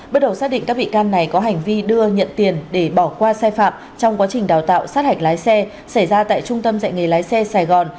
bước đầu xác định các bị can này có hành vi đưa nhận tiền để bỏ qua sai phạm trong quá trình đào tạo sát hạch lái xe xảy ra tại trung tâm dạy nghề lái xe sài gòn